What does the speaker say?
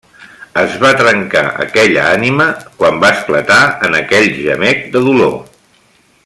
Es va trencar aquella ànima quan va esclatar en aquell gemec de dolor.